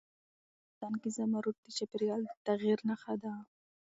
افغانستان کې زمرد د چاپېریال د تغیر نښه ده.